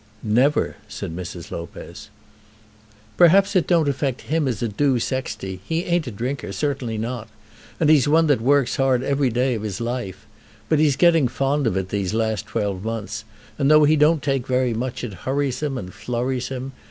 "Never," said Mrs. Lopez. "Perhaps it don't affect him as it do Sexty. He ain't a drinker; certainly not. And he's one that works hard every day of his life. But he's getting fond of it these last twelve months, and though he don't take very much it hurries him and flurries him.